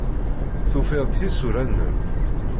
Tufiḍ-d tisura-nnem?